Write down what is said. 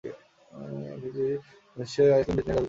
প্রতি শীতে আইসল্যান্ডীয় নিম্নচাপ ঘন ঘন ঝড়ের সৃষ্টি করে।